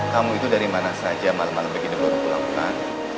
kamu itu dari mana saja malem malem begini baru pulang bukan